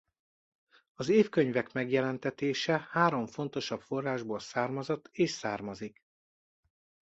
Az évkönyvek megjelentetése három fontosabb forrásból származott és származik.